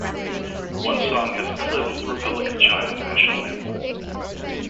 One song has a clip of the Republic of China national anthem.